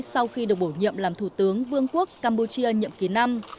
sau khi được bổ nhiệm làm thủ tướng vương quốc campuchia nhiệm kỳ năm